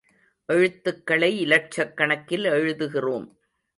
எழுத்துகளை இலட்சக் கணக்கில் எழுதுகிறோம்.